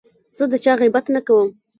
زه د چا غیبت نه کوم.